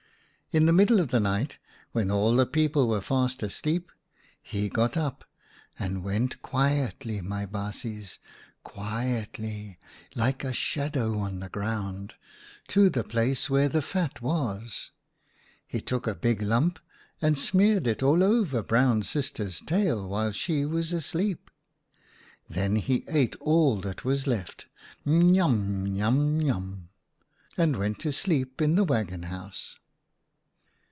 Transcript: In the middle of the night, when all the people were fast asleep, he got up and went quietly, my baasjes, quietly, like a shadow on the ground, to the place where the fat was. He took a big lump and smeared it all over Brown Sister's tail while she was asleep. Then he WHO WAS THE THIEF? 49 ate all that was left — n yum, n yum, n yum — and went to sleep in the waggon house.